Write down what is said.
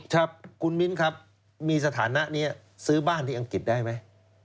ครับคุณมิ้นครับมีสถานะนี้ซื้อบ้านที่อังกฤษได้ไหม